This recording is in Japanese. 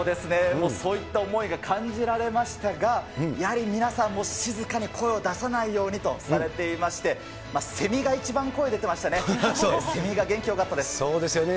もうそういった思いが感じられましたが、やはり皆さん、もう静かに声を出さないようにとされていまして、せみが一番声出てましたね。